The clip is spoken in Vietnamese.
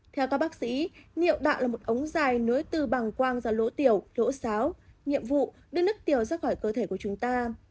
theo các bác sĩ niệm đạo là một ống dài nối từ bằng quang ra lỗ tiểu lỗ sáo nhiệm vụ đưa nước tiểu ra khỏi cơ thể của chúng ta